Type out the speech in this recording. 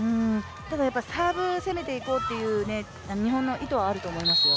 ただ、サーブ攻めていこうという日本の意図はあると思いますよ。